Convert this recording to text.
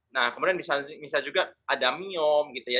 nah kemudian bisa juga ada miom gitu ya